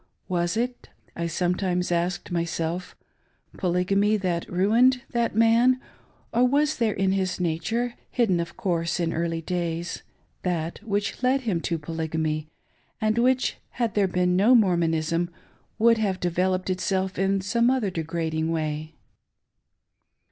Was it, I sometimes asked myself. Polygamy that ruined that man ; or was there in his nature — hidden of course in early days — ^that 566 WEARY OF LIFE. which led him to Polygamy,' and which, had there been no Mormonism, would have developed itself in some other degrading way?